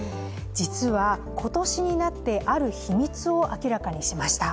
実は今年になって、ある秘密を明らかにしました。